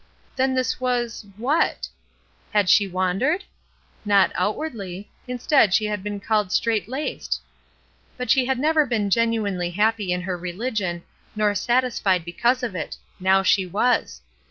Then this was — what ? Had she wandered ? Not outwardly; instead, she had been called ''strait laced." But she had never been genuinely happy in her religion, nor satisfied because of it; now she was.